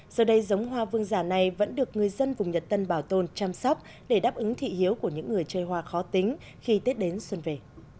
giờ đây giống hoa vương giả này vẫn được người dân vùng nhật tân bảo tồn chăm sóc để đáp ứng thị hiếu của những người chơi hoa khó tính khi tết đến xuân về